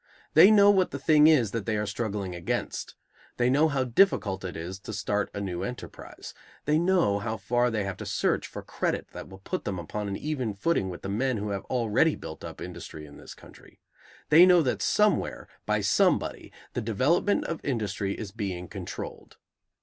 They know what the thing is that they are struggling against. They know how difficult it is to start a new enterprise. They know how far they have to search for credit that will put them upon an even footing with the men who have already built up industry in this country. They know that somewhere, by somebody, the development of industry is being controlled.